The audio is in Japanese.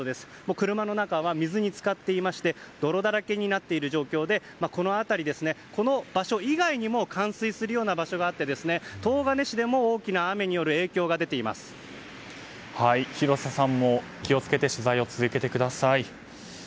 車の中は水に浸かっていまして泥だらけになっている状況でこの辺りは、この場所以外にも冠水するような場所があって東金市でも広瀬さんも気を付けて取材を続けてください。